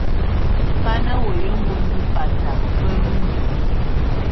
Bá na wéye muendu batak bá nenye.